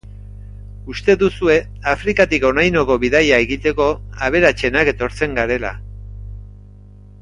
Uste duzue Afrikatik honainoko bidaia egiteko, aberatsenak etortzen garela.